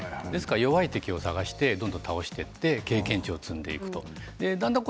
弱い敵を探してどんどん倒していって経験値を積んでいくだんだん